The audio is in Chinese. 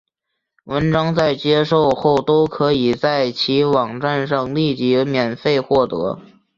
文章在接受后都可以在其网站上立即免费获得。